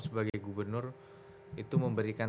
sebagai gubernur itu memberikan